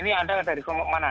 ini anda dari kelompok mana